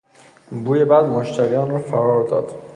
بوی بد مشتریان را فرار داد.